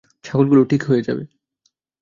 ছাগলগুলো ঠিক হয়ে যাবে।